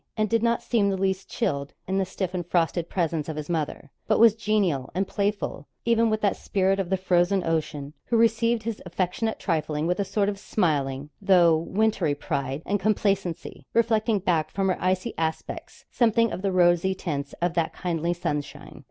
and did not seem the least chilled in the stiff and frosted presence of his mother, but was genial and playful even with that Spirit of the Frozen Ocean, who received his affectionate trifling with a sort of smiling, though wintry pride and complacency, reflecting back from her icy aspects something of the rosy tints of that kindly sunshine.